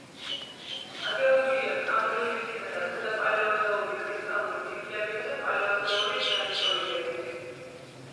აგებულია კამბრიულისწინა და ქვედაპალეოზოური კრისტალური ფიქლებითა და პალეოზოური გრანიტოიდებით.